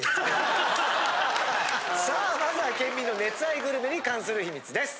まずは県民の熱愛グルメに関する秘密です。